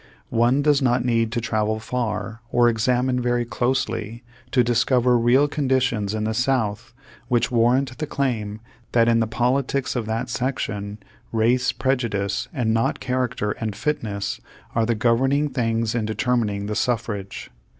One does not need to travel far, or examine very closely, to discover real conditions in the South which warrant the claim that in the poli tics of that section, race prejudice and not char acter and fitness are the governing things in de termining the suffrage.